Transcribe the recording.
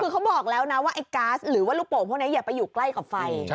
คือเขาบอกแล้วนะว่าไอ้ก๊าซหรือว่าลูกโป่งพวกนี้อย่าไปอยู่ใกล้กับไฟ